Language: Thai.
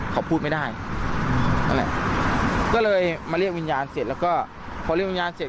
เขาพูดไม่ได้นั่นแหละก็เลยมาเรียกวิญญาณเสร็จแล้วก็พอเรียกวิญญาณเสร็จ